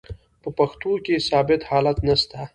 په پښتو کښي ثابت حالت نسته.